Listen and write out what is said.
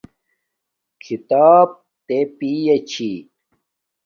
کھیتاپ تے پݵے چھی